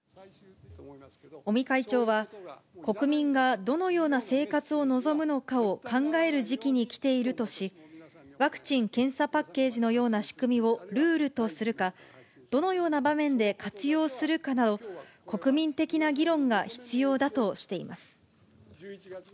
尾身会長は、国民がどのような生活を望むのかを考える時期に来ているとし、ワクチン・検査パッケージのような仕組みをルールとするか、どのような場面で活用するかなど、国民的な議論が必要だとしています。